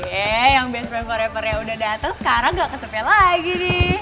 yeay yang best rapper rapper yang udah dateng sekarang gak kesepih lagi nih